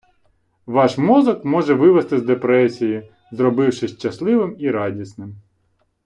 Ваш мозок може вивести з депресії, зробивши щасливим і радісним.